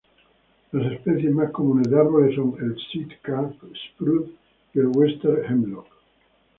Las especies más comunes de árboles son el sitka spruce y el western hemlock.